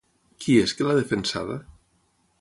Qui és que l'ha defensada?